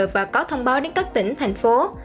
và có thông báo đến các tỉnh thành phố